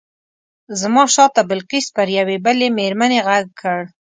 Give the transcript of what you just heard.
زما شاته بلقیس پر یوې بلې مېرمنې غږ کړ.